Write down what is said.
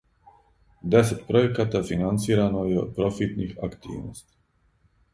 Десет пројеката финансирано је од профитних активности.